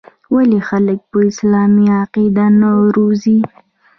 ولـې خـلـک پـه اسـلامـي عـقـيده نـه روزي.